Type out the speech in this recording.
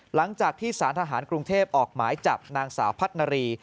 หลังจากที่สารทหารกรุงเทพออกหมายจับนางสาวพัฒนารี